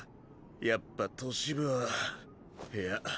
やっぱ都市部はいや